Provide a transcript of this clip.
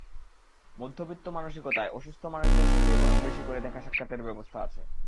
মধ্যবিত্ত মানসিকতায় অসুস্থ মানুষদের সঙ্গেই বরং বেশি করে দেখা-সাক্ষাতের ব্যবস্থা আছে।